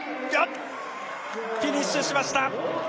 フィニッシュしました。